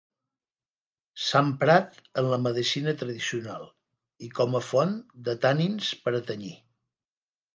S'ha emprat en la medicina tradicional i com a font de tanins per a tenyir.